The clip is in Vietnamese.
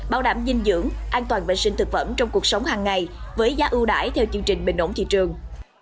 bảo đảm dinh dưỡng an toàn vệ sinh thực phẩm trong cuộc sống hàng ngày với giá ưu đải theo chương trình bình ổn thị trường